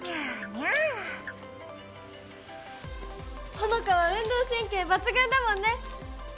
ホノカは運動神経抜群だもんね。